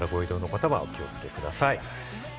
これからご移動の方はお気をつけください。